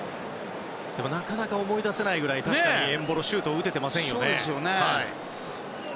なかなか思い出せないぐらいエンボロはシュートを打てていませんね。